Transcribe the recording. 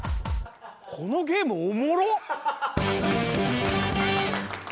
このゲームおもろ！